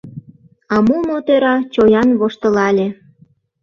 А мумо-тӧра чоян воштылале: